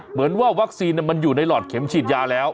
เหมือนว่าวัคซีนมันอยู่ในหลอดเข็มฉีดยาแล้ว